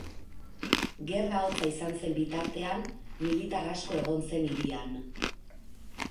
Gerra hotza izan zen bitartean militar asko egon zen hirian.